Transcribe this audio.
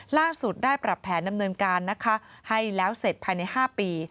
ล่าสุดได้ปรับแผนดำเนินการนะคะให้แล้วเสร็จภายใน๕ปี